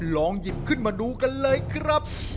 ลองหยิบขึ้นมาดูกันเลยครับ